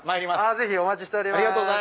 ぜひお待ちしております。